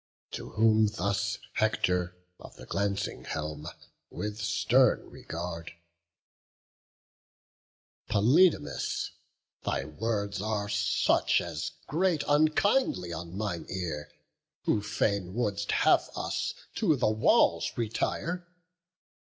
To whom thus Hector of the glancing helm With stern regard: "Polydamas, thy words Are such as grate unkindly on mine ear, Who fain wouldst have us to the walls retire.